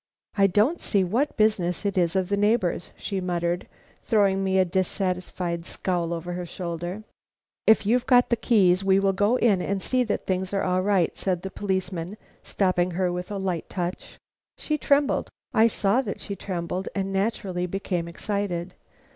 "I don't see what business it is of the neighbors," she muttered, throwing me a dissatisfied scowl over her shoulder. "If you've got the keys, we will go in and see that things are all right," said the policeman, stopping her with a light touch. She trembled; I saw that she trembled, and naturally became excited.